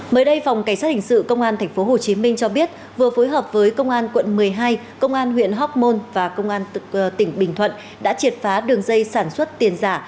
mới đây phòng cảnh sát hình sự công an tp hcm cho biết vừa phối hợp với công an quận một mươi hai công an huyện hóc môn và công an tỉnh bình thuận đã triệt phá đường dây sản xuất tiền giả